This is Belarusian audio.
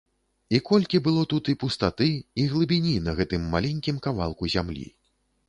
І колькі было тут і пустаты, і глыбіні на гэтым маленькім кавалку зямлі!